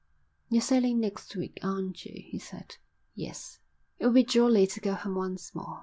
"You're sailing next week, aren't you?" he said. "Yes." "It would be jolly to go home once more.